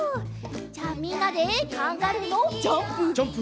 じゃあみんなでカンガルーのジャンプ！